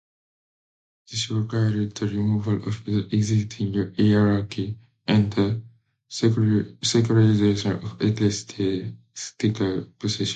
This required the removal of the existing hierarchy and the secularisation of ecclesiastical possessions.